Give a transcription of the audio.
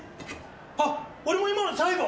⁉あっ俺も今ので最後！